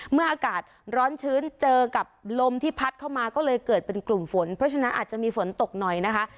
เมื่ออากาศร้อนชื้นเจอกับลมที่พัดเข้ามาก็เลยเกิดเป็นกลุ่มฝนเพราะฉะนั้นอาจจะมีฝนตกหน่อยนะคะ